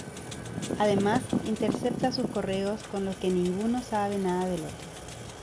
Además, intercepta sus correos, con lo que ninguno sabe nada del otro.